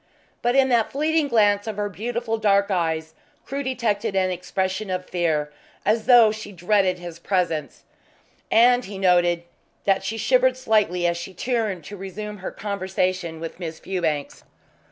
But in that fleeting glance of her beautiful dark eyes Crewe detected an expression of fear, as though she dreaded his presence, and he noticed that she shivered slightly as she turned to resume her conversation with Miss Fewbanks.